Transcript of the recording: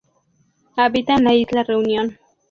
Habita en la isla Reunión.